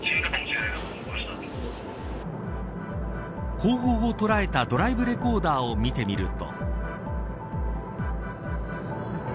後方を捉えたドライブレコーダーを見てみると。